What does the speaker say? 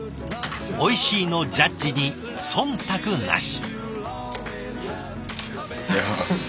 おいしいのジャッジに忖度なし。